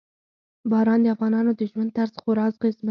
باران د افغانانو د ژوند طرز خورا اغېزمنوي.